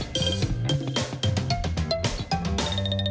สวัสดีครับอาหารของดอกผลไข่